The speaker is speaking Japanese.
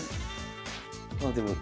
まあでも１。